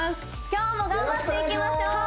今日も頑張っていきましょう